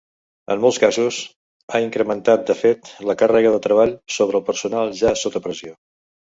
En molts casos, ha incrementat de fet la càrrega de treball sobre un personal ja sota pressió.